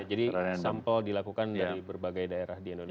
jadi sampel dilakukan dari berbagai daerah di indonesia